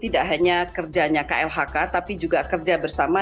tidak hanya kerjanya klhk tapi juga kerja bersama